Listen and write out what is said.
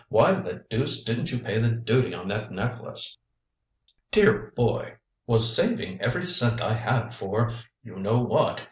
Why the deuce didn't you pay the duty on that necklace?" "Dear boy! Was saving every cent I had for you know what.